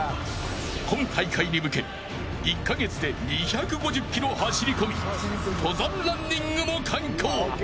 今大会に向け１カ月で２５０キロ走り込み登山ランニングも敢行。